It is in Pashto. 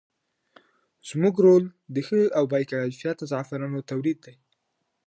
زموږ رول د ښه او باکیفیته زعفرانو تولید دی.